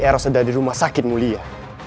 eros sedang di rumah sakit mulia